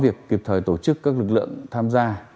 việc kịp thời tổ chức các lực lượng tham gia